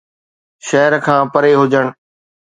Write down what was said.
شهر کان پري هجڻ